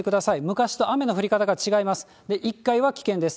昔と雨の降り方が違います。